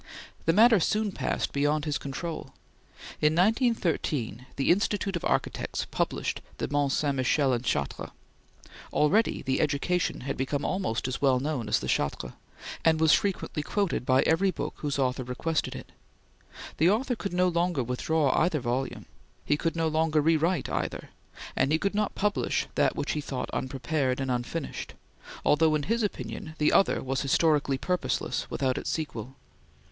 The matter soon passed beyond his control. In 1913 the Institute of Architects published the "Mont Saint Michel and Chartres." Already the "Education" had become almost as well known as the "Chartres," and was freely quoted by every book whose author requested it. The author could no longer withdraw either volume; he could no longer rewrite either, and he could not publish that which he thought unprepared and unfinished, although in his opinion the other was historically purposeless without its sequel.